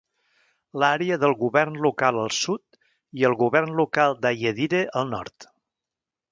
L'àrea del govern local al sud i el govern local d'Ayedire al nord.